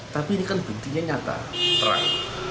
tapi ini kan buktinya nyata terang